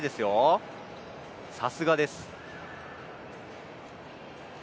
さすがです。